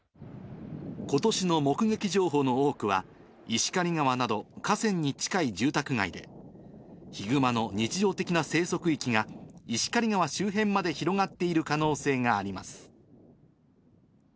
ことしの目撃情報の多くは、石狩川など河川に近い住宅街で、ヒグマの日常的な生息域が、石狩川周辺まで広がっている可能性があります。